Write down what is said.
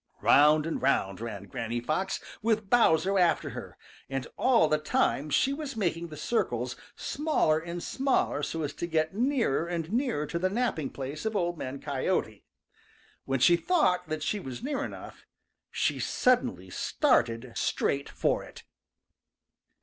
Round and round ran Granny Fox with Bowser after her, and all the time she was making the circles smaller and smaller so as to get nearer and nearer to the napping place of Old Man Coyote. When she thought that she was near enough, she suddenly started straight for it.